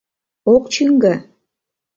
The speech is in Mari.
— Ок чӱҥгӧ.